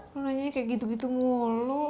lu nanya kayak gitu gitu mulu